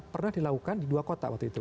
pernah dilakukan di dua kota waktu itu